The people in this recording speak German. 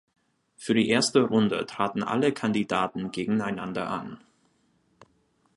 Für die erste Runde traten alle Kandidaten gegeneinander an.